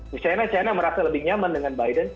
di china china merasa lebih nyaman dengan biden